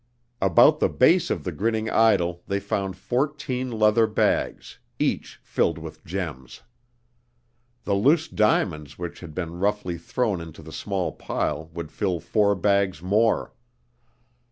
About the base of the grinning idol they found fourteen leather bags, each filled with gems. The loose diamonds which had been roughly thrown into a small pile would fill four bags more.